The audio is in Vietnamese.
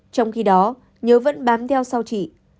trong khi đó nhớ vẫn bám theo sau chị